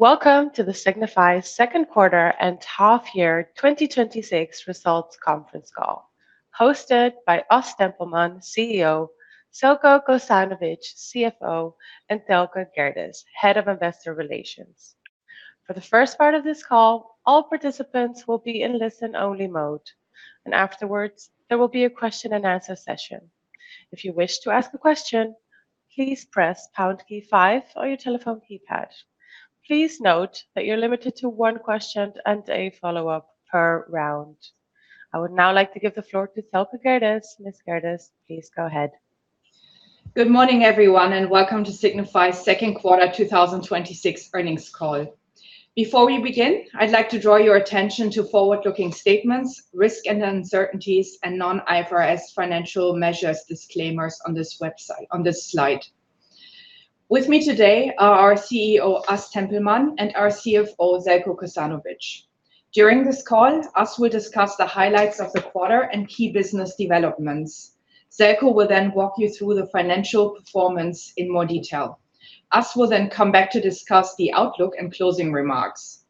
Welcome to the Signify second quarter and half year 2026 results conference call, hosted by As Tempelman, Chief Executive Officer, Željko Kosanović, Chief Financial Officer, and Thelke Gerdes, Head of Investor Relations. For the first part of this call, all participants will be in listen-only mode. Afterwards there will be a question and answer session. If you wish to ask a question, please press pound key five on your telephone keypad. Please note that you're limited to one question and a follow-up per round. I would now like to give the floor to Thelke Gerdes. Ms. Gerdes, please go ahead. Good morning, everyone. Welcome to Signify's second quarter 2026 earnings call. Before we begin, I'd like to draw your attention to forward-looking statements, risk and uncertainties, and non-IFRS financial measures disclaimers on this slide. With me today are our Chief Executive Officer, As Tempelman, and our Chief Financial Officer, Željko Kosanović. During this call, As will discuss the highlights of the quarter and key business developments. Željko will walk you through the financial performance in more detail. As will come back to discuss the outlook and closing remarks.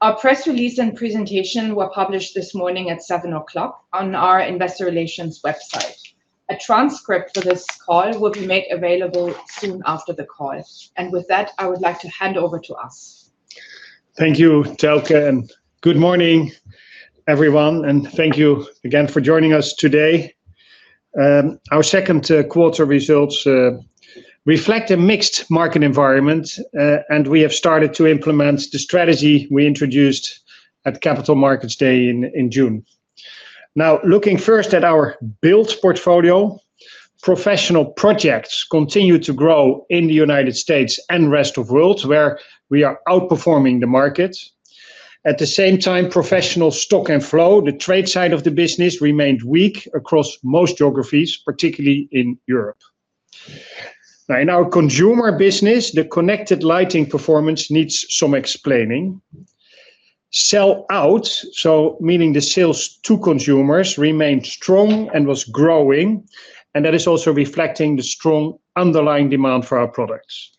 Our press release and presentation were published this morning at 7:00 AM on our investor relations website. A transcript for this call will be made available soon after the call. With that, I would like to hand over to As. Thank you, Thelke. Good morning, everyone. Thank you again for joining us today. Our second quarter results reflect a mixed market environment. We have started to implement the strategy we introduced at Capital Markets Day in June. Looking first at our build portfolio, professional projects continue to grow in the United States and rest of world, where we are outperforming the market. At the same time, professional stock and flow, the trade side of the business, remained weak across most geographies, particularly in Europe. In our consumer business, the connected lighting performance needs some explaining. Sell out, so meaning the sales to consumers, remained strong and was growing. That is also reflecting the strong underlying demand for our products.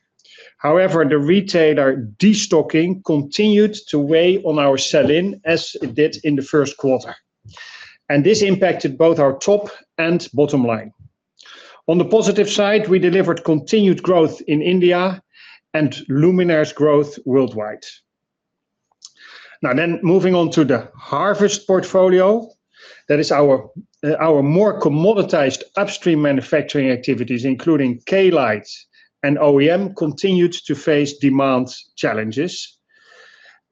The retailer de-stocking continued to weigh on our sell-in as it did in the first quarter. This impacted both our top and bottom line. On the positive side, we delivered continued growth in India and luminaire's growth worldwide. Moving on to the harvest portfolio. That is our more commoditized upstream manufacturing activities, including Klite and OEM, continued to face demand challenges.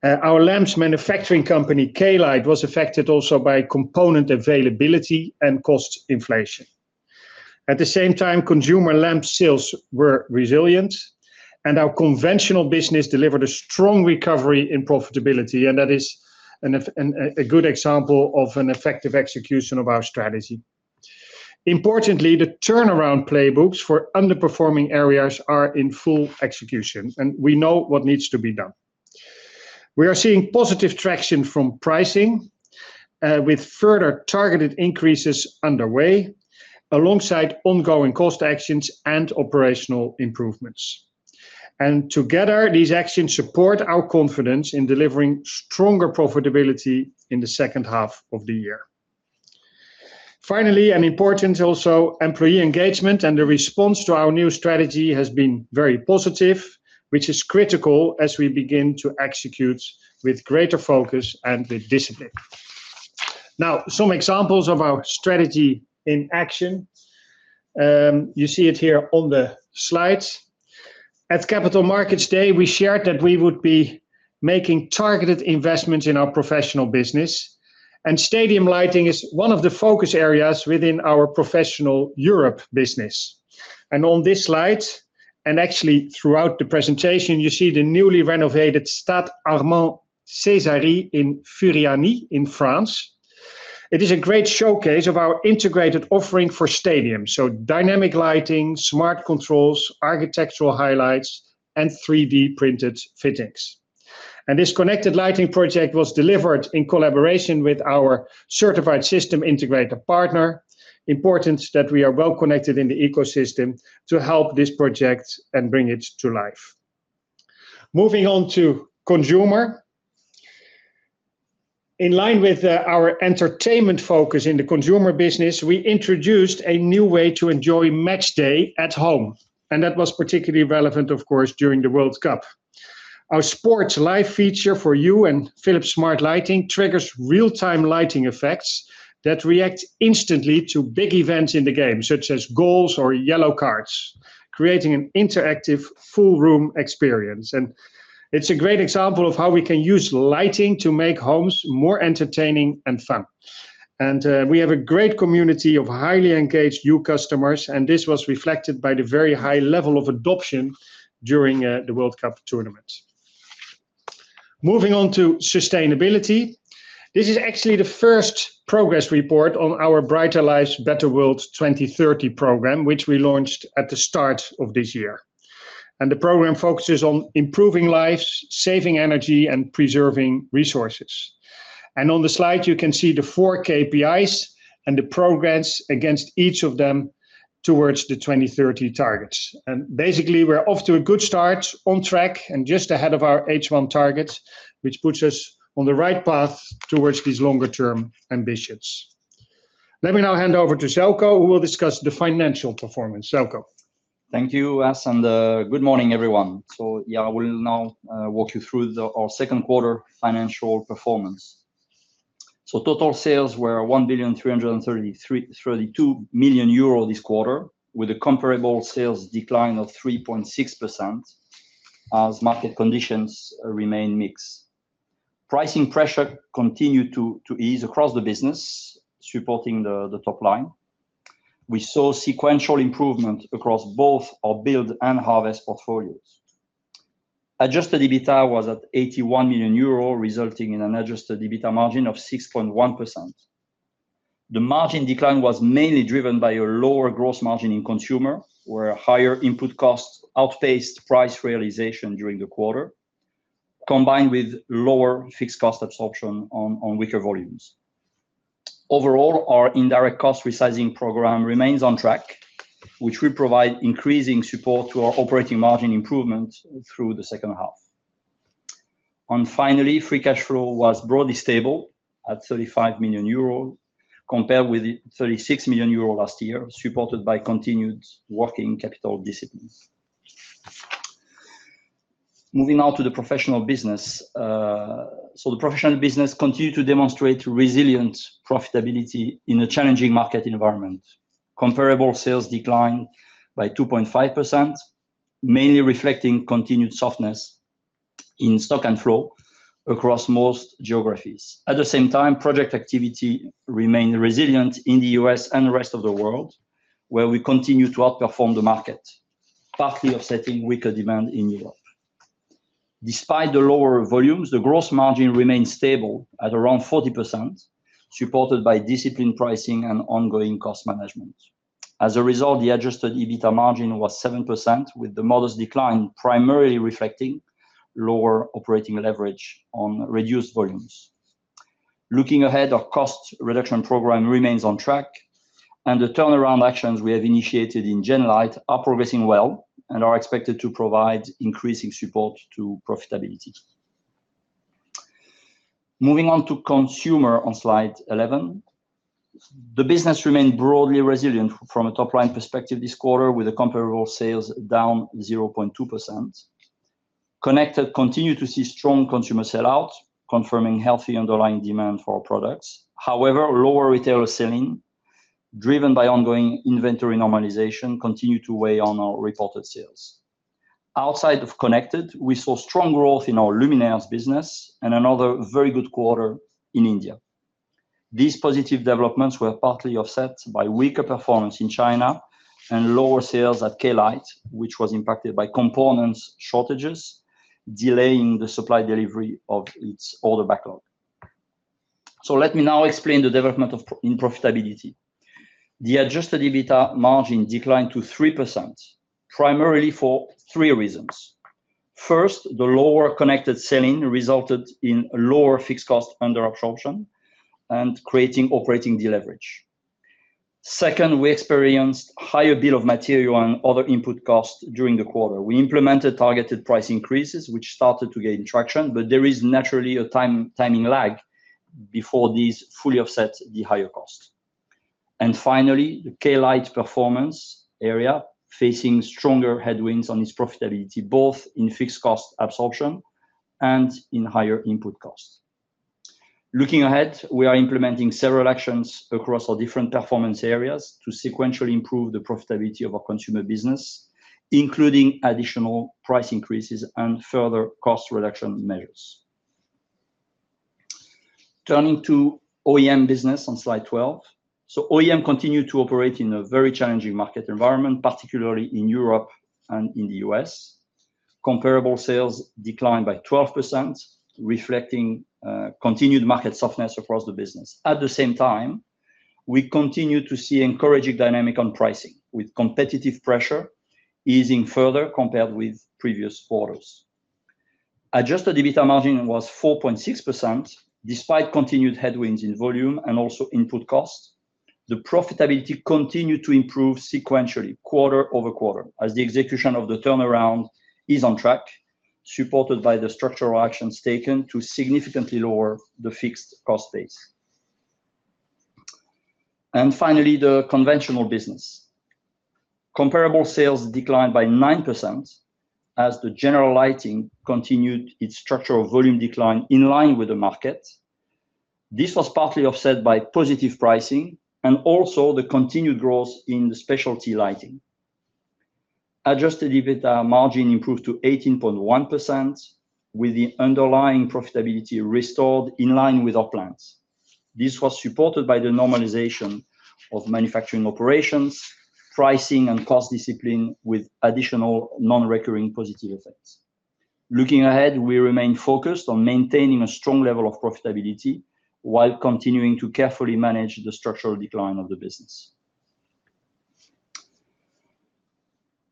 Our lamps manufacturing company, Klite, was affected also by component availability and cost inflation. At the same time, consumer lamp sales were resilient. Our conventional business delivered a strong recovery in profitability. That is a good example of an effective execution of our strategy. Importantly, the turnaround playbooks for underperforming areas are in full execution. We know what needs to be done. We are seeing positive traction from pricing, with further targeted increases underway alongside ongoing cost actions and operational improvements. Together, these actions support our confidence in delivering stronger profitability in the second half of the year. Finally, and important also, employee engagement and the response to our new strategy has been very positive, which is critical as we begin to execute with greater focus and with discipline. Some examples of our strategy in action. You see it here on the slides. At Capital Markets Day, we shared that we would be making targeted investments in our professional business, and stadium lighting is one of the focus areas within our professional Europe business. On this slide, and actually throughout the presentation, you see the newly renovated Stade Armand-Cesari in Furiani in France. It is a great showcase of our integrated offering for stadiums, so dynamic lighting, smart controls, architectural highlights, and 3D-printed fittings. This connected lighting project was delivered in collaboration with our certified system integrator partner. Important that we are well connected in the ecosystem to help this project and bring it to life. Moving on to consumer. In line with our entertainment focus in the consumer business, we introduced a new way to enjoy match day at home, and that was particularly relevant, of course, during the World Cup. Our Sports Live feature for Hue and Philips smart lighting triggers real-time lighting effects that react instantly to big events in the game, such as goals or yellow cards, creating an interactive full room experience. It's a great example of how we can use lighting to make homes more entertaining and fun. We have a great community of highly engaged new customers, and this was reflected by the very high level of adoption during the World Cup tournament. Moving on to sustainability. This is actually the first progress report on our Brighter Lives, Better World 2030 program, which we launched at the start of this year. The program focuses on improving lives, saving energy, and preserving resources. On the slide, you can see the four KPIs and the progress against each of them towards the 2030 targets. Basically, we're off to a good start, on track, and just ahead of our H1 target, which puts us on the right path towards these longer-term ambitions. Let me now hand over to Željko, who will discuss the financial performance. Željko. Thank you, As, and good morning, everyone. Yeah, I will now walk you through our second quarter financial performance. Total sales were 1,332,000,000 euro this quarter, with a comparable sales decline of 3.6% as market conditions remain mixed. Pricing pressure continued to ease across the business, supporting the top line. We saw sequential improvement across both our build and harvest portfolios. Adjusted EBITA was at 81 million euro, resulting in an adjusted EBITA margin of 6.1%. The margin decline was mainly driven by a lower gross margin in consumer, where higher input costs outpaced price realization during the quarter, combined with lower fixed cost absorption on weaker volumes. Overall, our indirect cost resizing program remains on track, which will provide increasing support to our operating margin improvement through the second half. Finally, free cash flow was broadly stable at 35 million euro compared with 36 million euro last year, supported by continued working capital disciplines. Moving now to the professional business. The professional business continued to demonstrate resilient profitability in a challenging market environment. Comparable sales declined by 2.5%, mainly reflecting continued softness in stock and flow across most geographies. At the same time, project activity remained resilient in the U.S. and the rest of the world, where we continue to outperform the market, partly offsetting weaker demand in Europe. Despite the lower volumes, the gross margin remained stable at around 40%, supported by disciplined pricing and ongoing cost management. As a result, the Adjusted EBITA margin was 7%, with the modest decline primarily reflecting lower operating leverage on reduced volumes. Looking ahead, our cost reduction program remains on track, and the turnaround actions we have initiated in Genlyte are progressing well and are expected to provide increasing support to profitability. Moving on to consumer on slide 11. The business remained broadly resilient from a top-line perspective this quarter, with the comparable sales down 0.2%. Connected continued to see strong consumer sell-out, confirming healthy underlying demand for our products. However, lower retailer selling, driven by ongoing inventory normalization, continued to weigh on our reported sales. Outside of Connected, we saw strong growth in our Luminaires business and another very good quarter in India. These positive developments were partly offset by weaker performance in China and lower sales at Klite, which was impacted by components shortages, delaying the supply delivery of its order backlog. Let me now explain the development in profitability. The Adjusted EBITA margin declined to 3% primarily for three reasons. First, the lower Connected selling resulted in lower fixed cost under absorption and creating operating deleverage. Second, we experienced higher bill of material and other input costs during the quarter. We implemented targeted price increases, which started to gain traction, but there is naturally a timing lag before these fully offset the higher cost. Finally, the Klite performance area facing stronger headwinds on its profitability, both in fixed cost absorption and in higher input costs. Looking ahead, we are implementing several actions across our different performance areas to sequentially improve the profitability of our consumer business, including additional price increases and further cost reduction measures. Turning to OEM business on slide 12. OEM continued to operate in a very challenging market environment, particularly in Europe and in the U.S. Comparable sales declined by 12%, reflecting continued market softness across the business. At the same time, we continue to see encouraging dynamic on pricing, with competitive pressure easing further compared with previous quarters. Adjusted EBITA margin was 4.6%, despite continued headwinds in volume and also input costs. The profitability continued to improve sequentially quarter-over-quarter as the execution of the turnaround is on track, supported by the structural actions taken to significantly lower the fixed cost base. Finally, the conventional business. Comparable sales declined by 9% as the general lighting continued its structural volume decline in line with the market. This was partly offset by positive pricing and also the continued growth in the specialty lighting. Adjusted EBITA margin improved to 18.1% with the underlying profitability restored in line with our plans. This was supported by the normalization of manufacturing operations, pricing and cost discipline with additional non-recurring positive effects. Looking ahead, we remain focused on maintaining a strong level of profitability while continuing to carefully manage the structural decline of the business.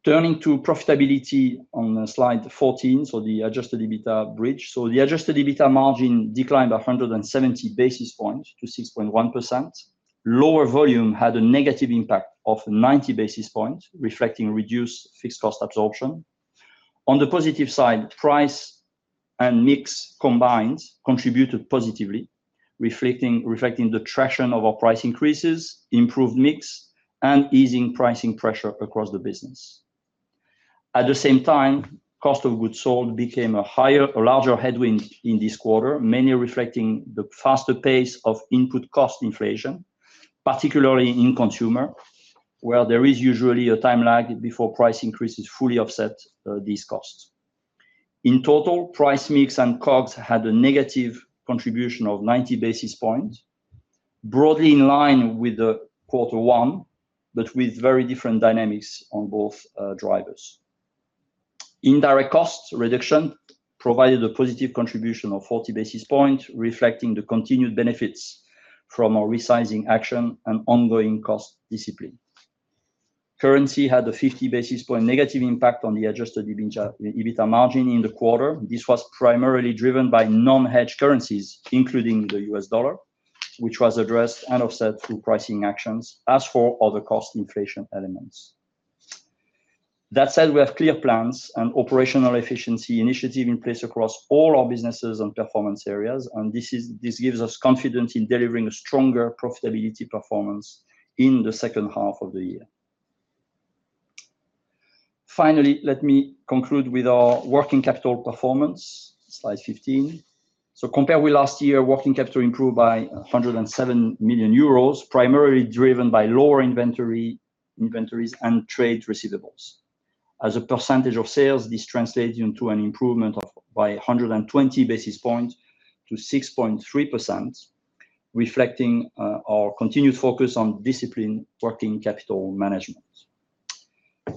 Turning to profitability on slide 14, the adjusted EBITA bridge. The adjusted EBITA margin declined 170 basis points to 6.1%. Lower volume had a negative impact of 90 basis points, reflecting reduced fixed cost absorption. On the positive side, price and mix combined contributed positively, reflecting the traction of our price increases, improved mix, and easing pricing pressure across the business. At the same time, cost of goods sold became a larger headwind in this quarter, mainly reflecting the faster pace of input cost inflation, particularly in consumer, where there is usually a time lag before price increases fully offset these costs. In total, price mix and COGS had a negative contribution of 90 basis points, broadly in line with the quarter one, but with very different dynamics on both drivers. Indirect cost reduction provided a positive contribution of 40 basis points, reflecting the continued benefits from our resizing action and ongoing cost discipline. Currency had a 50 basis point negative impact on the adjusted EBITA margin in the quarter. This was primarily driven by non-hedged currencies, including the US dollar, which was addressed and offset through pricing actions, as for other cost inflation elements. That said, we have clear plans and operational efficiency initiative in place across all our businesses and performance areas, and this gives us confidence in delivering a stronger profitability performance in the second half of the year. Finally, let me conclude with our working capital performance. Slide 15. Compared with last year, working capital improved by 107 million euros, primarily driven by lower inventories and trade receivables. As a percentage of sales, this translated into an improvement of by 120 basis points to 6.3%, reflecting our continued focus on disciplined working capital management.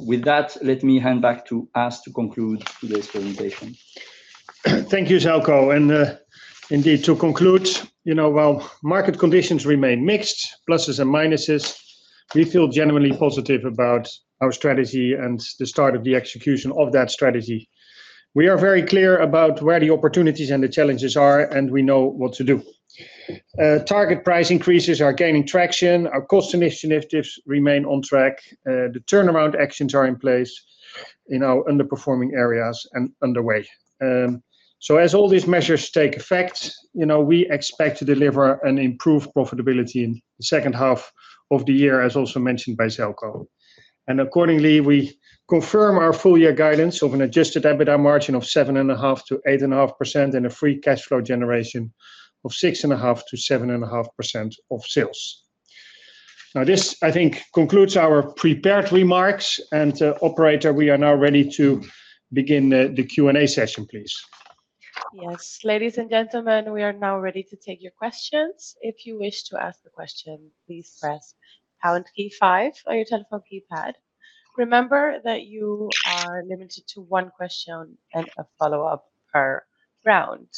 With that, let me hand back to As to conclude today's presentation. Thank you, Željko. Indeed to conclude, while market conditions remain mixed, pluses and minuses, we feel genuinely positive about our strategy and the start of the execution of that strategy. We are very clear about where the opportunities and the challenges are, and we know what to do. Target price increases are gaining traction. Our cost initiatives remain on track. The turnaround actions are in place in our underperforming areas and underway. As all these measures take effect, we expect to deliver an improved profitability in the second half of the year, as also mentioned by Željko. Accordingly, we confirm our full year guidance of an adjusted EBITA margin of 7.5%-8.5% and a free cash flow generation of 6.5%-7.5% of sales. This, I think, concludes our prepared remarks, and operator, we are now ready to begin the Q&A session, please. Yes. Ladies and gentlemen, we are now ready to take your questions. If you wish to ask a question, please press pound key five on your telephone keypad. Remember that you are limited to one question and a follow-up per round.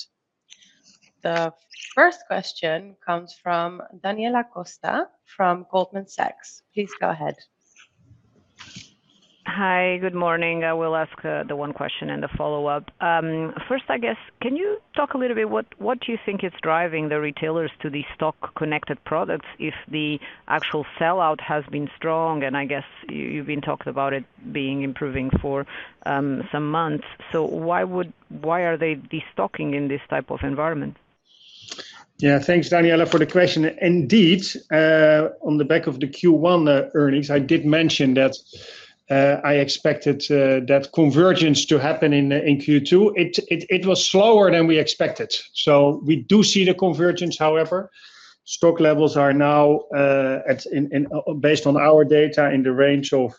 The first question comes from Daniela Costa from Goldman Sachs. Please go ahead. Hi. Good morning. I will ask the one question and the follow-up. First, I guess, can you talk a little bit, what do you think is driving the retailers to the stock-connected products if the actual sellout has been strong, and I guess you've been talking about it being improving for some months. Why are they de-stocking in this type of environment? Thanks, Daniela, for the question. Indeed, on the back of the Q1 earnings, I did mention that I expected that convergence to happen in Q2. It was slower than we expected. We do see the convergence, however. Stock levels are now, based on our data, in the range of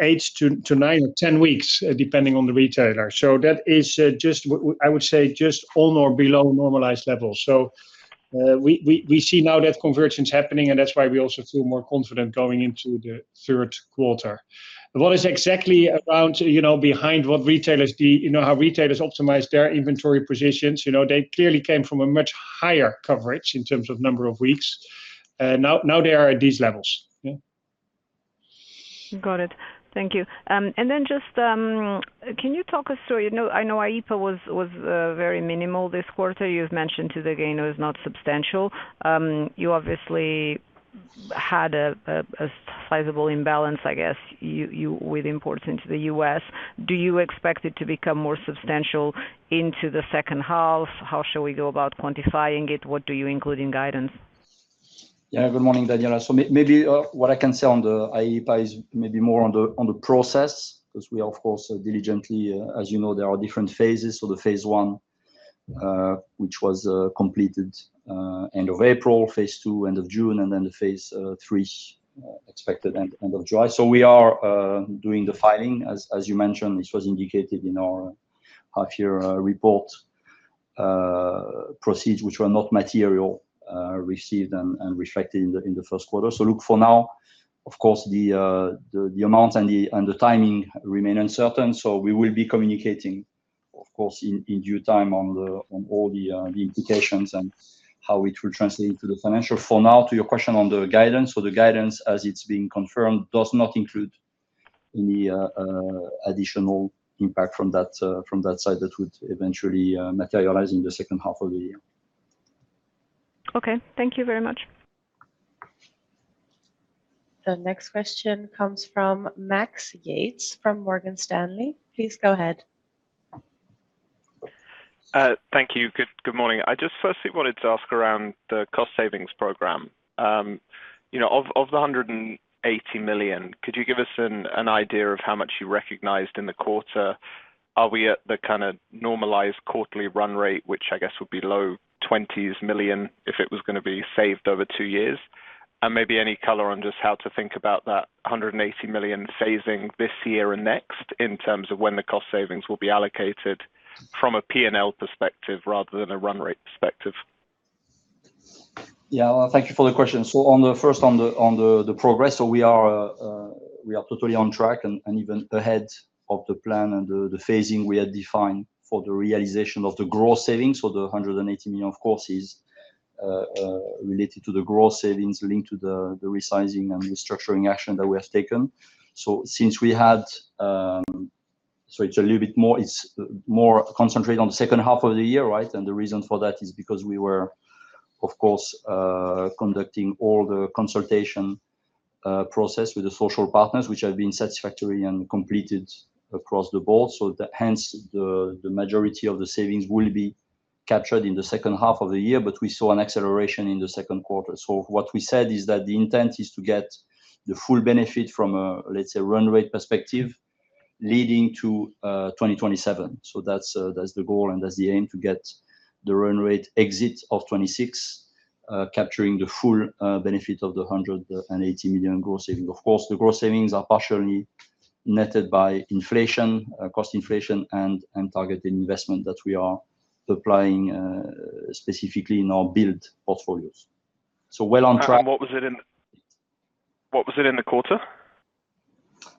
eight to nine or 10 weeks, depending on the retailer. That is just, I would say, just on or below normalized levels. We see now that convergence happening, and that's why we also feel more confident going into the third quarter. What is exactly around behind how retailers optimize their inventory positions. They clearly came from a much higher coverage in terms of number of weeks. Now they are at these levels. Got it. Thank you. Can you talk us through I know IEEPA was very minimal this quarter. You've mentioned too the gain was not substantial. You obviously had a sizable imbalance, I guess, with imports into the U.S. Do you expect it to become more substantial into the second half? How should we go about quantifying it? What do you include in guidance? Good morning, Daniela. Maybe what I can say on the IEEPA is maybe more on the process, because we are, of course, diligently, as you know, there are different phases. The phase I, which was completed end of April, phase II, end of June, and the phase III expected end of July. We are doing the filing. As you mentioned, this was indicated in our half year report proceeds which were not material received and reflected in the first quarter. For now of course, the amount and the timing remain uncertain, we will be communicating Of course, in due time on all the implications and how it will translate into the financials. For now, to your question on the guidance, the guidance, as it's being confirmed, does not include any additional impact from that side that would eventually materialize in the second half of the year. Thank you very much. The next question comes from Max Yates from Morgan Stanley. Please go ahead. Thank you. Good morning. I just firstly wanted to ask around the cost savings program. Of the 180 million, could you give us an idea of how much you recognized in the quarter? Are we at the kind of normalized quarterly run rate, which I guess would be low 20 million, if it was going to be saved over two years? Maybe any color on just how to think about that 180 million phasing this year and next, in terms of when the cost savings will be allocated from a P&L perspective rather than a run rate perspective. Yeah. Thank you for the question. On the first, on the progress, we are totally on track and even ahead of the plan and the phasing we had defined for the realization of the growth savings. The 180 million, of course, is related to the growth savings linked to the resizing and restructuring action that we have taken. It's a little bit more concentrated on the second half of the year, right? The reason for that is because we were, of course, conducting all the consultation process with the social partners, which have been satisfactory and completed across the board. Hence, the majority of the savings will be captured in the second half of the year, but we saw an acceleration in the second quarter. What we said is that the intent is to get the full benefit from a, let's say, run rate perspective leading to 2027. That's the goal and that's the aim, to get the run rate exit of 2026, capturing the full benefit of the 180 million growth saving. Of course, the growth savings are partially netted by inflation, cost inflation, and targeted investment that we are deploying specifically in our build portfolios. Well on track. What was it in the quarter?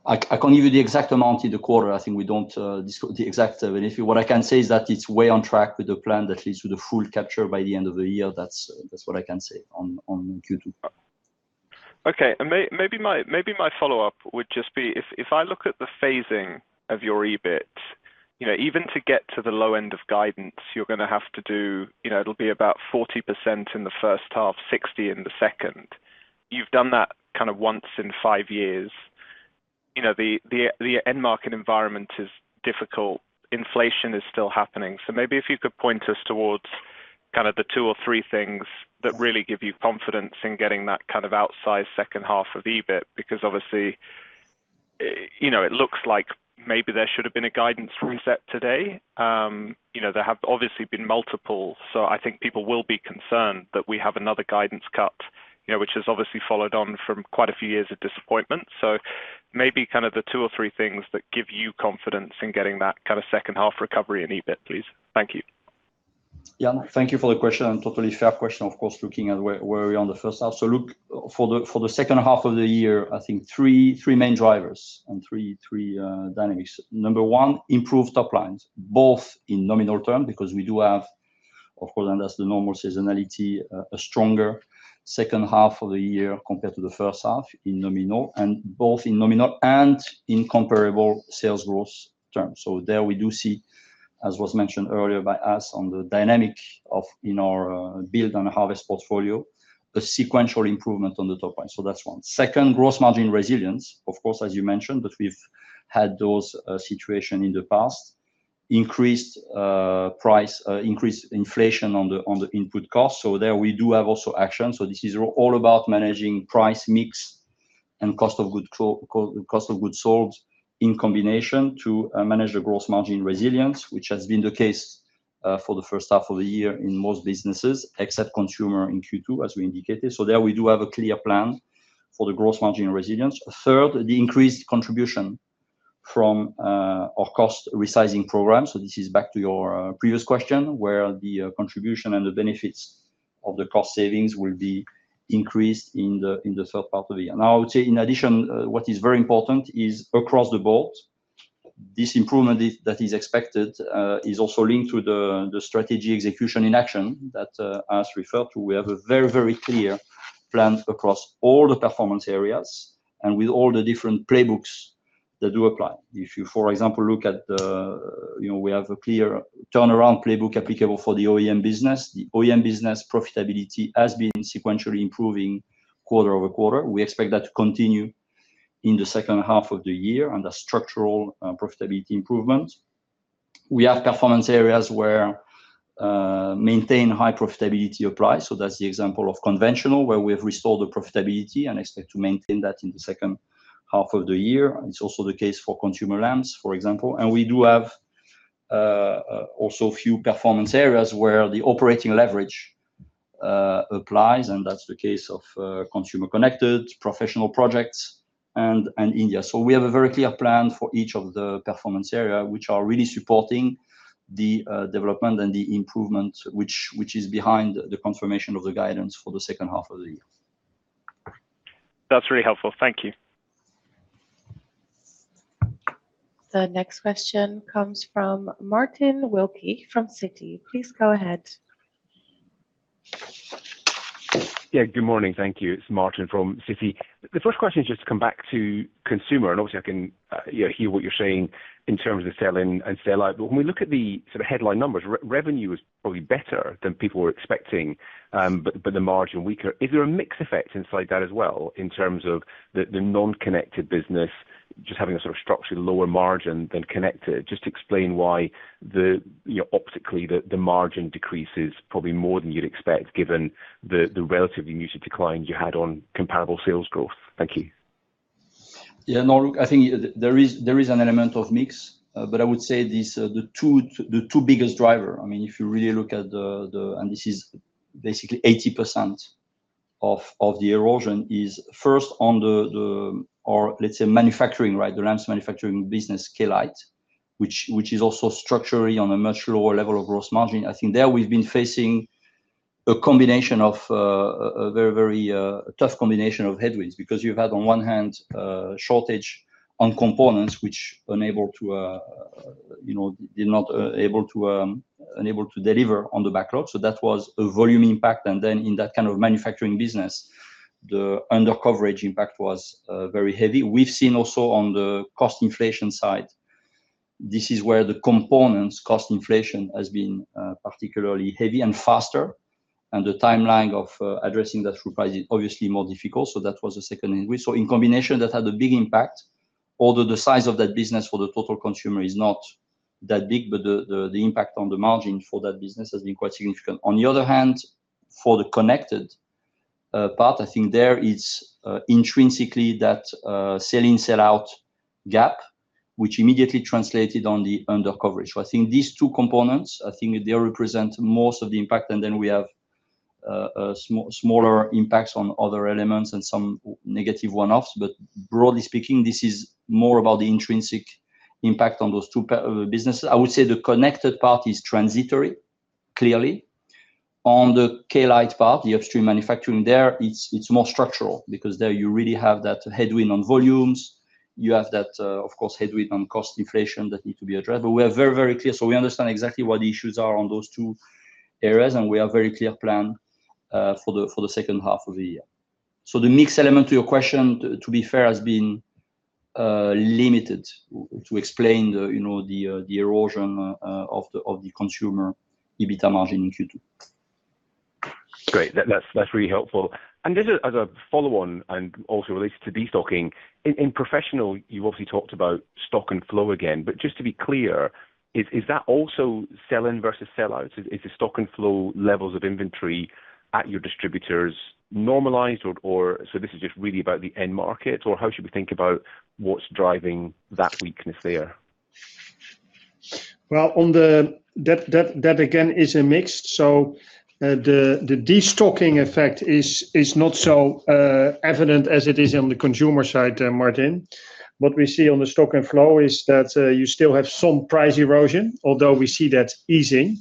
I cannot give you the exact amount in the quarter. I think we don't disclose the exact. What I can say is that it's way on track with the plan that leads to the full capture by the end of the year. That's what I can say on Q2. Okay. Maybe my follow-up would just be, if I look at the phasing of your EBIT, even to get to the low end of guidance, it'll be about 40% in the first half, 60% in the second. You've done that kind of once in five years. The end market environment is difficult. Inflation is still happening. Maybe if you could point us towards kind of the two or three things that really give you confidence in getting that kind of outsized second half of EBIT, because obviously, it looks like maybe there should have been a guidance reset today. There have obviously been multiple, so I think people will be concerned that we have another guidance cut, which has obviously followed on from quite a few years of disappointment. Maybe kind of the two or three things that give you confidence in getting that kind of second half recovery in EBIT, please. Thank you. Yeah. Thank you for the question, totally fair question, of course, looking at where are we on the first half. Look, for the second half of the year, I think three main drivers and three dynamics. Number one, improved top lines, both in nominal term, because we do have, of course, and that's the normal seasonality, a stronger second half of the year compared to the first half in nominal, and both in nominal and in comparable sales growth terms. There we do see, as was mentioned earlier by us on the dynamic in our build on a harvest portfolio, a sequential improvement on the top line. That's one. Second, growth margin resilience. Of course, as you mentioned, we've had those situation in the past. Increased inflation on the input cost. There we do have also action. This is all about managing price mix and COGS in combination to manage the gross margin resilience, which has been the case for the first half of the year in most businesses, except consumer in Q2, as we indicated. There we do have a clear plan for the gross margin resilience. Third, the increased contribution from our cost resizing program. This is back to your previous question, where the contribution and the benefits of the cost savings will be increased in the third part of the year. I would say in addition, what is very important is across the board, this improvement that is expected is also linked to the strategy execution in action that As referred to, we have a very clear plan across all the performance areas and with all the different playbooks that do apply. We have a clear turnaround playbook applicable for the OEM business. The OEM business profitability has been sequentially improving quarter-over-quarter. We expect that to continue in the second half of the year under structural profitability improvement. We have performance areas where maintain high profitability applies, that's the example of conventional, where we have restored the profitability and expect to maintain that in the second half of the year. It's also the case for consumer lamps, for example. We do have also a few performance areas where the operating leverage applies, and that's the case of consumer connected, professional projects and India. We have a very clear plan for each of the performance area, which are really supporting the development and the improvement, which is behind the confirmation of the guidance for the second half of the year. That's really helpful. Thank you. The next question comes from Martin Wilkie from Citi. Please go ahead. Good morning. Thank you. It's Martin from Citi. The first question is just to come back to consumer, obviously I can hear what you're saying in terms of sell in and sell out. When we look at the headline numbers, revenue is probably better than people were expecting, but the margin weaker. Is there a mix effect inside that as well, in terms of the non-connected business just having a structurally lower margin than connected? Just explain why optically, the margin decrease is probably more than you'd expect given the relatively muted decline you had on comparable sales growth. Thank you. No, look, I think there is an element of mix. I would say the two biggest drivers, if you really look at this, is basically 80% of the erosion is first on the, or let's say manufacturing, right? The lamps manufacturing business, Klite, which is also structurally on a much lower level of gross margin. I think there we've been facing a combination of a very tough combination of headwinds because you've had, on one hand, a shortage on components which unable to deliver on the backlog. That was a volume impact. In that kind of manufacturing business, the undercoverage impact was very heavy. We've seen also on the cost inflation side, this is where the components cost inflation has been particularly heavy and faster, the timeline of addressing that through price is obviously more difficult. That was the second headwind. In combination, that had a big impact, although the size of that business for the total consumer is not that big, but the impact on the margin for that business has been quite significant. On the other hand, for the connected part, I think there it's intrinsically that sell in, sell out gap, which immediately translated on the undercoverage. I think these two components, I think they represent most of the impact, then we have smaller impacts on other elements and some negative one-offs. Broadly speaking, this is more about the intrinsic impact on those two businesses. I would say the connected part is transitory, clearly. On the Klite part, the upstream manufacturing there, it's more structural because there you really have that headwind on volumes. You have that, of course, headwind on cost inflation that need to be addressed. We are very, very clear. We understand exactly what the issues are on those two areas, we are very clear plan for the second half of the year. The mix element to your question, to be fair, has been limited to explain the erosion of the consumer EBITA margin in Q2. Great. That's really helpful. This is as a follow-on and also related to destocking. In professional, you've obviously talked about stock and flow again, but just to be clear, is that also sell in versus sell out? Is the stock and flow levels of inventory at your distributors normalized, or is this just really about the end market, or how should we think about what's driving that weakness there? Well, that again is a mix. The destocking effect is not so evident as it is on the consumer side, Martin. What we see on the stock and flow is that you still have some price erosion, although we see that easing.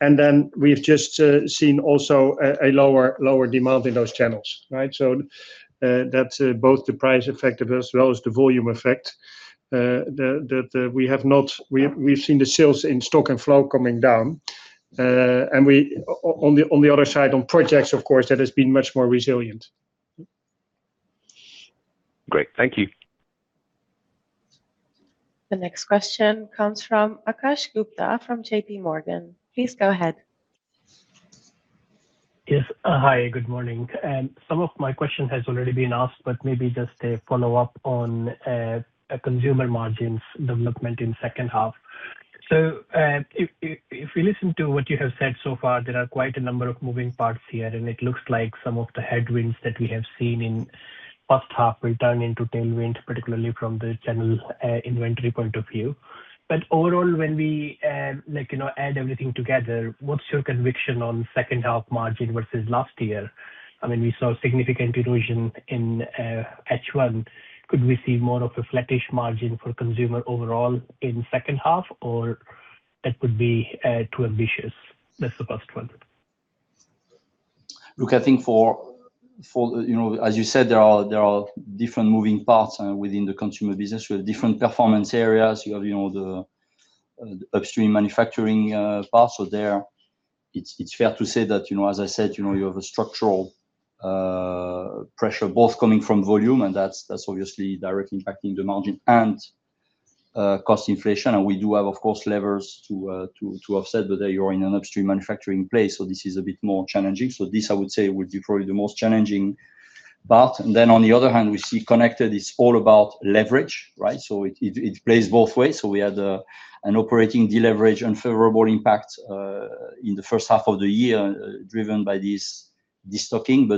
Then we've just seen also a lower demand in those channels. Right? That's both the price effect as well as the volume effect, that we've seen the sales in stock and flow coming down. On the other side, on projects, of course, that has been much more resilient. Great. Thank you. The next question comes from Akash Gupta from JPMorgan. Please go ahead. Yes. Hi, good morning. Some of my question has already been asked, maybe just a follow-up on consumer margins development in second half. If we listen to what you have said so far, there are quite a number of moving parts here, it looks like some of the headwinds that we have seen in first half will turn into tailwind, particularly from the general inventory point of view. Overall, when we add everything together, what's your conviction on second half margin versus last year? We saw significant erosion in H1. Could we see more of a flattish margin for consumer overall in second half, or that would be too ambitious versus the first one? Look, I think as you said, there are different moving parts within the consumer business. You have different performance areas. You have the upstream manufacturing part. There, it's fair to say that, as I said, you have a structural pressure both coming from volume, that's obviously directly impacting the margin, and cost inflation. We do have, of course, levers to offset, there you are in an upstream manufacturing place, this is a bit more challenging. This, I would say, would be probably the most challenging part. Then on the other hand, we see connected, it's all about leverage, right? It plays both ways. We had an operating deleverage unfavorable impact, in the first half of the year driven by this destocking.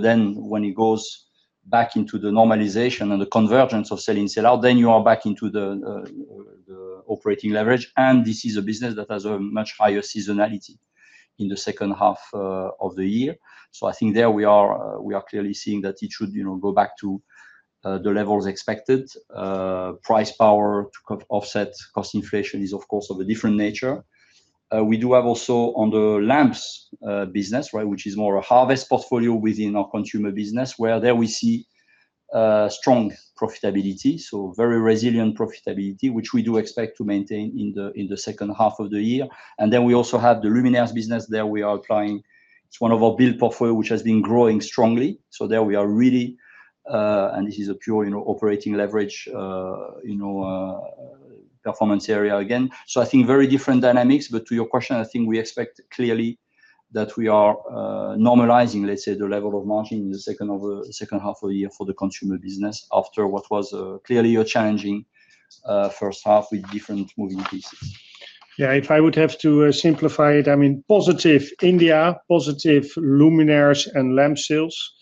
When it goes back into the normalization and the convergence of sell in, sell out, you are back into the operating leverage. This is a business that has a much higher seasonality in the second half of the year. I think there we are clearly seeing that it should go back to The level is expected price power to offset cost inflation is of course, of a different nature. We do have also on the lamps business, which is more a harvest portfolio within our consumer business, where there we see strong profitability. Very resilient profitability, which we do expect to maintain in the second half of the year. We also have the luminaire business there we are applying, it's one of our build portfolio which has been growing strongly. There we are really this is a pure operating leverage performance area again. I think very different dynamics, to your question, I think we expect clearly that we are normalizing, let's say, the level of margin in the second half of the year for the consumer business after what was clearly a challenging first half with different moving pieces. Yeah. If I would have to simplify it, positive India, positive luminaires and lamp sales.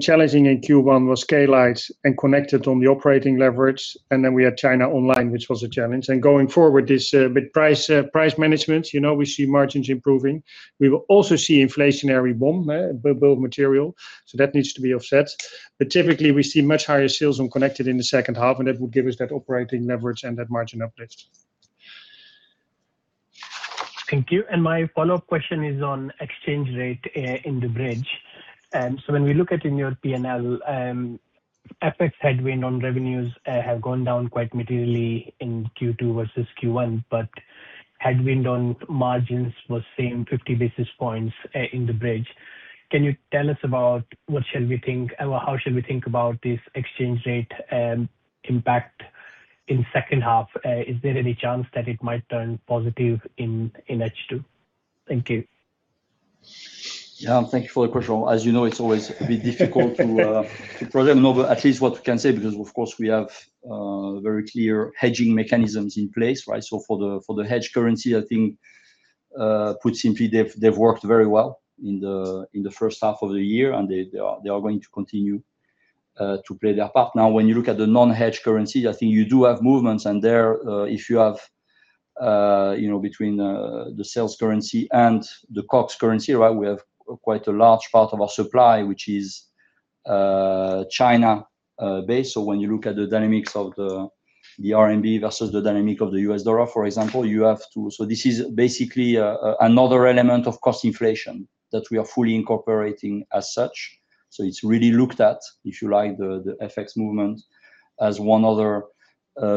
Challenging in Q1 was Klite and connected on the operating leverage. We had China online, which was a challenge. Going forward is with price management, we see margins improving. We will also see inflationary boom, build material. That needs to be offset. Typically we see much higher sales on connected in the second half, and that will give us that operating leverage and that margin uplift. Thank you. My follow-up question is on exchange rate in the bridge. When we look at in your P&L, FX headwind on revenues have gone down quite materially in Q2 versus Q1, but headwind on margins was same 50 basis points in the bridge. Can you tell us about what shall we think or how shall we think about this exchange rate impact in second half? Is there any chance that it might turn positive in H2? Thank you. Yeah. Thank you for the question. As you know, it's always a bit difficult to project, but at least what we can say because of course we have very clear hedging mechanisms in place. For the hedged currency, I think, put simply, they've worked very well in the first half of the year, and they are going to continue to play their part. When you look at the non-hedged currency, I think you do have movements and there if you have between the sales currency and the COGS currency, we have quite a large part of our supply, which is China based. This is basically another element of cost inflation that we are fully incorporating as such. It's really looked at, if you like, the FX movement as one other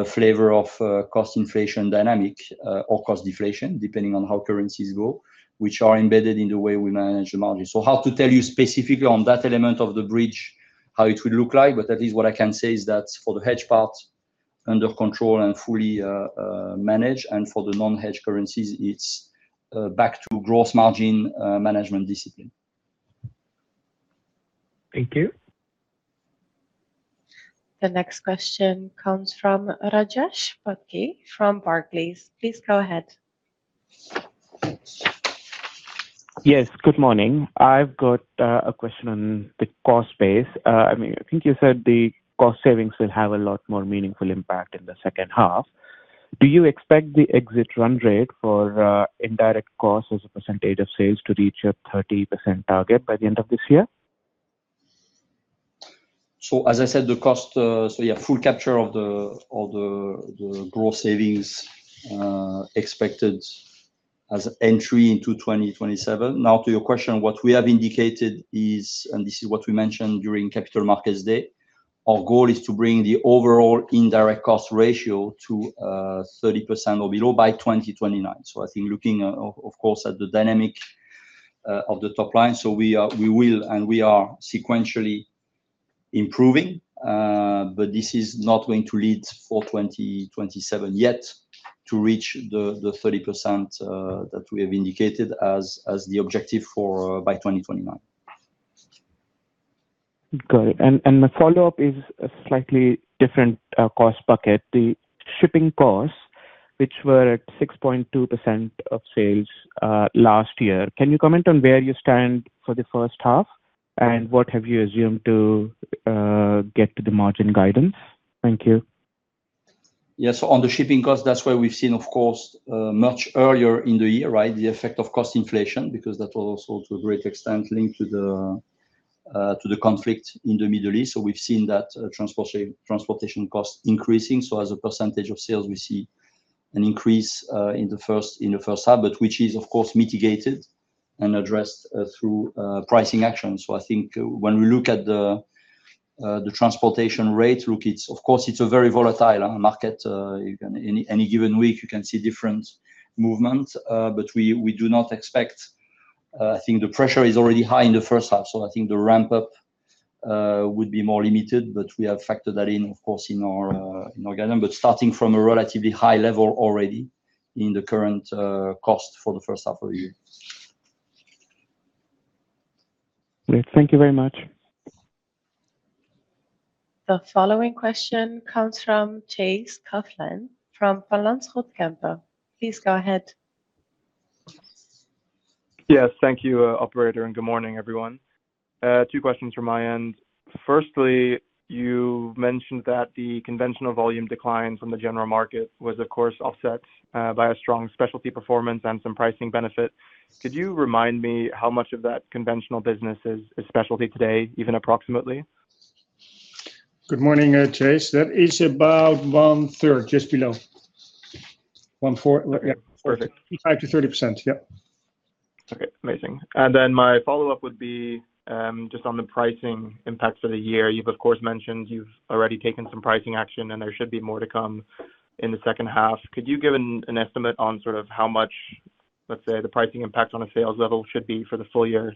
flavor of cost inflation dynamic or cost deflation, depending on how currencies go, which are embedded in the way we manage the margin. Hard to tell you specifically on that element of the bridge how it will look like, but that is what I can say is that for the hedged part, under control and fully managed and for the non-hedged currencies, it's back to gross margin management discipline. Thank you. The next question comes from Rajesh Patki from Barclays. Please go ahead. Yes, good morning. I've got a question on the cost base. I think you said the cost savings will have a lot more meaningful impact in the second half. Do you expect the exit run rate for indirect costs as a percentage of sales to reach a 30% target by the end of this year? As I said, full capture of the gross savings expected as entry into 2027. Now to your question, what we have indicated is, and this is what we mentioned during Capital Markets Day, our goal is to bring the overall indirect cost ratio to 30% or below by 2029. I think looking, of course, at the dynamic of the top line, we will, and we are sequentially improving. This is not going to lead for 2027 yet to reach the 30% that we have indicated as the objective by 2029. Got it. My follow-up is a slightly different cost bucket. The shipping costs, which were at 6.2% of sales last year. Can you comment on where you stand for the first half and what have you assumed to get to the margin guidance? Thank you. Yes. On the shipping cost, that's where we've seen, of course, much earlier in the year, the effect of cost inflation because that was also to a great extent linked to the conflict in the Middle East. We've seen that transportation cost increasing. As a percentage of sales we see an increase in the first half, but which is of course mitigated and addressed through pricing action. I think when we look at the transportation rate, of course, it's a very volatile market. Any given week you can see different movement, but we do not expect I think the pressure is already high in the first half, so I think the ramp-up would be more limited. We have factored that in, of course, in our guidance. Starting from a relatively high level already in the current cost for the first half of the year. Great. Thank you very much. The following question comes from Chase Coughlan from Kempen & Co. Please go ahead. Thank you, operator, and good morning everyone. Two questions from my end. Firstly, You've mentioned that the conventional volume decline from the general market was, of course, offset by a strong specialty performance and some pricing benefit. Could you remind me how much of that conventional business is specialty today, even approximately? Good morning, Chase. That is about 1/3, just below. Perfect. 25%-30%. Yep. Okay, amazing. Then my follow-up would be just on the pricing impacts for the year. You've, of course, mentioned you've already taken some pricing action, and there should be more to come in the second half. Could you give an estimate on how much, let's say, the pricing impact on a sales level should be for the full year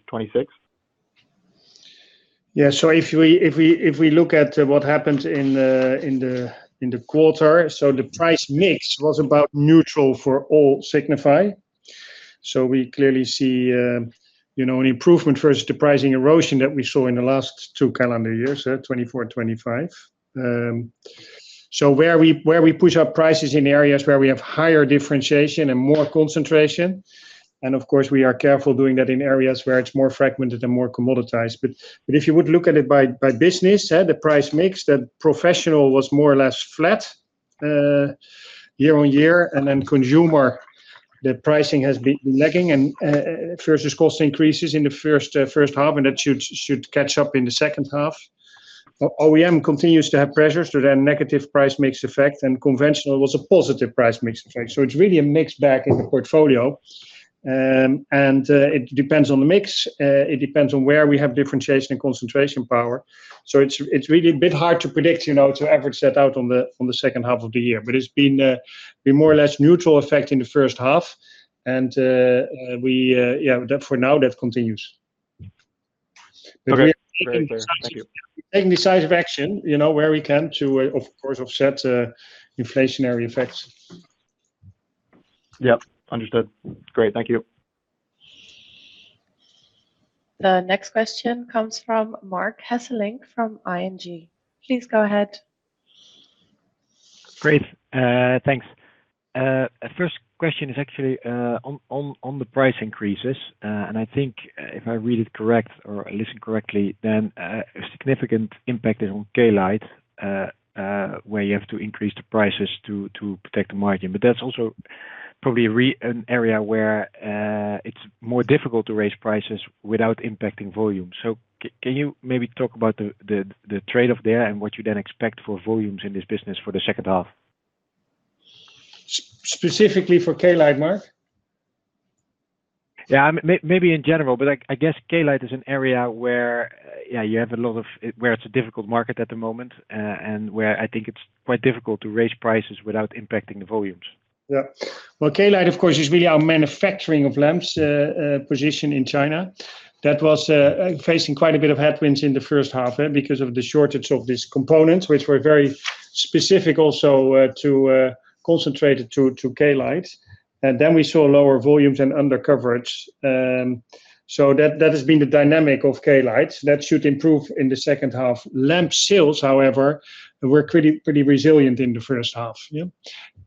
2026? If we look at what happened in the quarter, the price mix was about neutral for all Signify. We clearly see an improvement versus the pricing erosion that we saw in the last two calendar years, 2024 and 2025. Where we push up prices in areas where we have higher differentiation and more concentration, and of course, we are careful doing that in areas where it's more fragmented and more commoditized. If you would look at it by business, the price mix, that professional was more or less flat year-on-year, consumer, the pricing has been lagging versus cost increases in the first half, and that should catch up in the second half. OEM continues to have pressures, a negative price mix effect, and conventional was a positive price mix effect. It's really a mix back in the portfolio. It depends on the mix. It depends on where we have differentiation and concentration power. It's really a bit hard to predict, to average that out on the second half of the year. It's been more or less neutral effect in the first half, and for now, that continues. Thank you. Taking decisive action where we can to, of course, offset inflationary effects. Yep, understood. Great. Thank you. The next question comes from Marc Hesselink from ING. Please go ahead. Great. Thanks. First question is actually on the price increases. I think if I read it correct, or I listen correctly, then a significant impact is on Klite, where you have to increase the prices to protect the margin. That's also probably an area where it's more difficult to raise prices without impacting volume. Can you maybe talk about the trade-off there and what you then expect for volumes in this business for the second half? Specifically for Klite, Marc? Yeah, maybe in general, but I guess Klite is an area where it's a difficult market at the moment, and where I think it's quite difficult to raise prices without impacting the volumes. Yeah. Well, Klite, of course, is really our manufacturing of lamps position in China. That was facing quite a bit of headwinds in the first half because of the shortage of these components, which were very specific also to concentrate to Klite. Then we saw lower volumes and undercoverage. That has been the dynamic of Klite. That should improve in the second half. Lamp sales, however, were pretty resilient in the first half.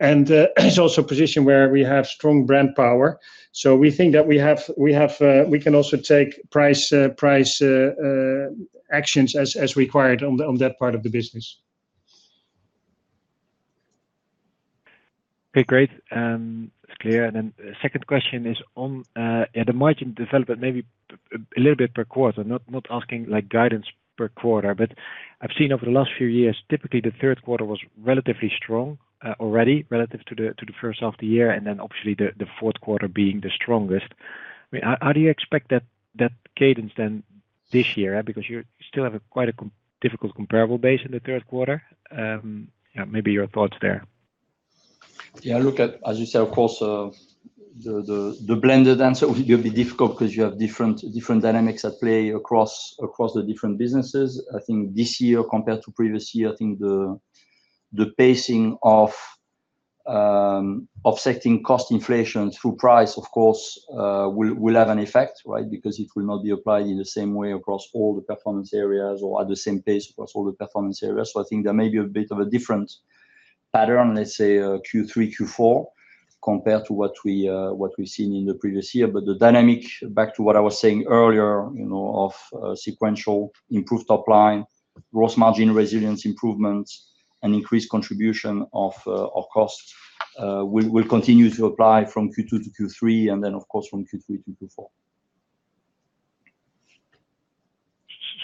Yeah. It's also a position where we have strong brand power. We think that we can also take price actions as required on that part of the business. Okay, great. It's clear. Then the second question is on the margin development, maybe a little bit per quarter, not asking guidance per quarter, but I've seen over the last few years, typically the third quarter was relatively strong already relative to the first half of the year, and then obviously the fourth quarter being the strongest. How do you expect that cadence then this year? Because you still have quite a difficult comparable base in the third quarter. Yeah, maybe your thoughts there. Yeah, look at, as you say, of course, the blended answer will be difficult because you have different dynamics at play across the different businesses. I think this year compared to previous year, I think the pacing of offsetting cost inflation through price, of course, will have an effect, right? Because it will not be applied in the same way across all the performance areas or at the same pace across all the performance areas. I think there may be a bit of a different pattern, let's say Q3, Q4, compared to what we've seen in the previous year. The dynamic, back to what I was saying earlier, of sequential improved top line, gross margin resilience improvements, and increased contribution of costs will continue to apply from Q2 to Q3 and then of course from Q3 to Q4.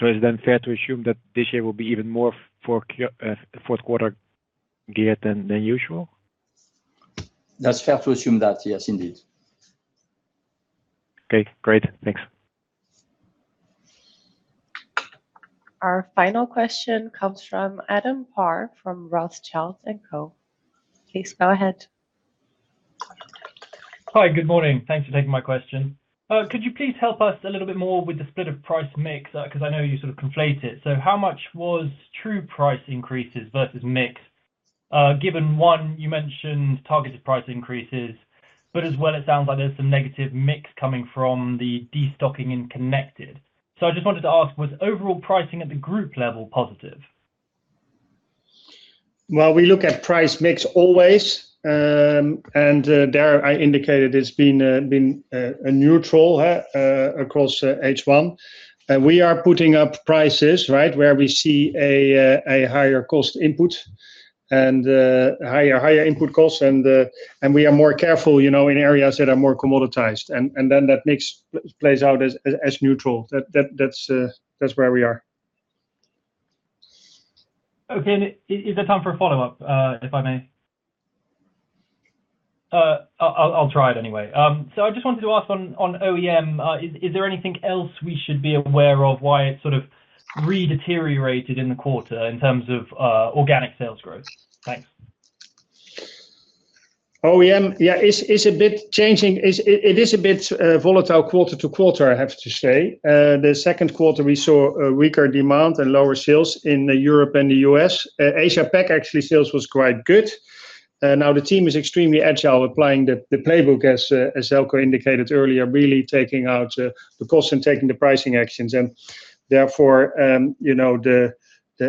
Is it then fair to assume that this year will be even more fourth quarter geared than usual? That's fair to assume that, yes, indeed. Okay, great. Thanks. Our final question comes from Adam Parr from Rothschild & Co. Please go ahead. Hi, good morning. Thanks for taking my question. Could you please help us a little bit more with the split of price mix? I know you sort of conflate it. How much was true price increases versus mix? Given, one, you mentioned targeted price increases, but as well, it sounds like there's some negative mix coming from the de-stocking in connected. I just wanted to ask, was overall pricing at the group level positive? Well, we look at price mix always, and there I indicated it's been a neutral across H1. We are putting up prices, right? Where we see a higher cost input and higher input costs. We are more careful in areas that are more commoditized. That mix plays out as neutral. That's where we are. Okay. Is there time for a follow-up, if I may? I'll try it anyway. I just wanted to ask on OEM, is there anything else we should be aware of why it sort of redeteriorated in the quarter in terms of organic sales growth? Thanks. OEM. Yeah, it's a bit changing. It is a bit volatile quarter to quarter, I have to say. The second quarter, we saw a weaker demand and lower sales in Europe and the U.S. Asia Pac, actually, sales was quite good. Now, the team is extremely agile, applying the playbook as Željko indicated earlier, really taking out the cost and taking the pricing actions. Therefore,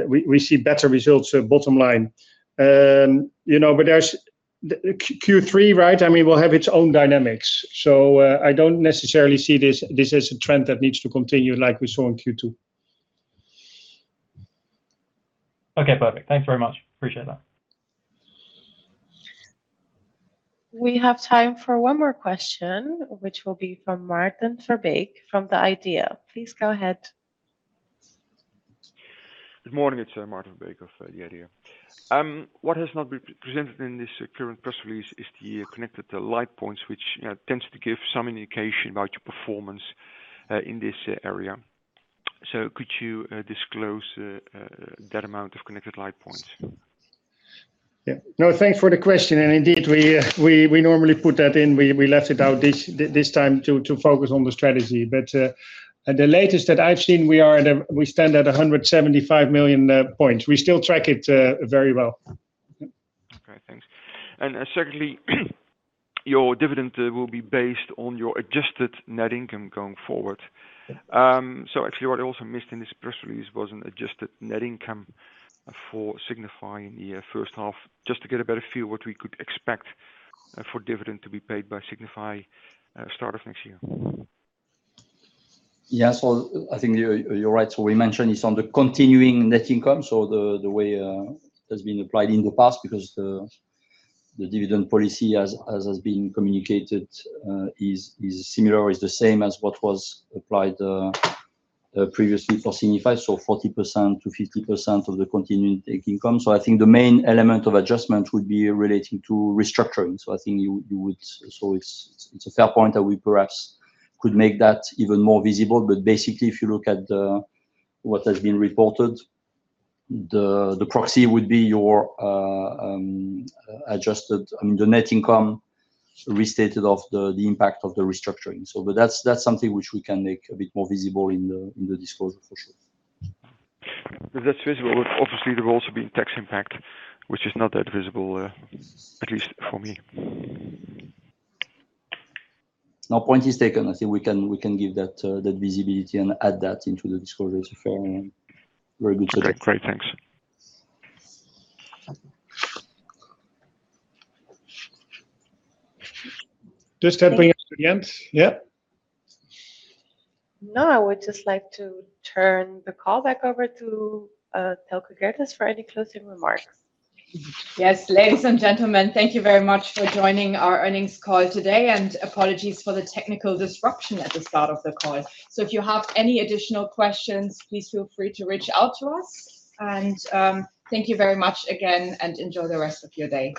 we see better results bottom line. Q3, right, will have its own dynamics. I don't necessarily see this as a trend that needs to continue like we saw in Q2. Okay, perfect. Thanks very much. Appreciate that. We have time for one more question, which will be from Maarten Verbeek from The IDEA!. Please go ahead. Good morning. It's Maarten Verbeek of The IDEA!. What has not been presented in this current press release is the connected light points, which tends to give some indication about your performance, in this area. Could you disclose that amount of connected light points? Yeah. No, thanks for the question. Indeed, we normally put that in. We left it out this time to focus on the strategy. The latest that I've seen, we stand at 175 million points. We still track it very well. Okay, thanks. Secondly, your dividend will be based on your adjusted net income going forward. Actually, what I also missed in this press release was an adjusted net income for Signify in the first half, just to get a better feel what we could expect for dividend to be paid by Signify start of next year. Yeah. I think you're right. We mentioned it's on the continuing net income, the way has been applied in the past because the dividend policy as has been communicated, is similar, or is the same as what was applied previously for Signify. 40%-50% of the continuing net income. I think the main element of adjustment would be relating to restructuring. I think it's a fair point that we perhaps could make that even more visible. Basically, if you look at what has been reported, the proxy would be your adjusted net income restated of the impact of the restructuring. That's something which we can make a bit more visible in the disclosure, for sure. If that's visible. Obviously, there will also be tax impact, which is not that visible, at least for me. No, point is taken. I think we can give that visibility and add that into the disclosure. Very good. Great. Thanks. Just wrapping up at the end. Yeah? I would just like to turn the call back over to Thelke Gerdes for any closing remarks. Ladies and gentlemen, thank you very much for joining our earnings call today, and apologies for the technical disruption at the start of the call. If you have any additional questions, please feel free to reach out to us, and thank you very much again, and enjoy the rest of your day.